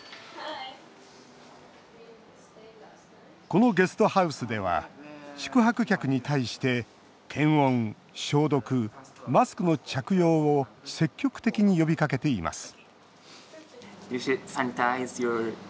このゲストハウスでは宿泊客に対して検温、消毒、マスクの着用を積極的に呼びかけています